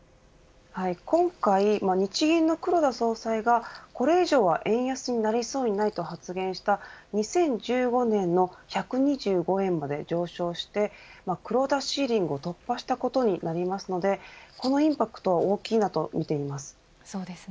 今回、日銀の黒田総裁がこれ以上は円安になりそうにないと発言した２０１５年の１２５円まで上昇して黒田シーリングを突破したことになりますのでこのインパクトは大きいなと見ています。